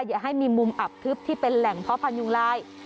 อย่าให้มีมุมอับทึบที่เป็นแหล่งเพาะพันยุงลาย